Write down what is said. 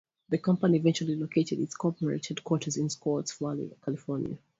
The company eventually located its corporate headquarters in Scotts Valley, California.